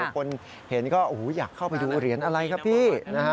คนเห็นก็อยากเข้าไปดูเหรียญอะไรครับพี่นะฮะ